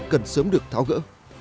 cần sớm được tháo gỡ